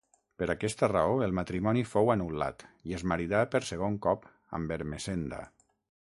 Per aquesta raó, el matrimoni fou anul·lat, i es maridà per segon cop amb Ermessenda.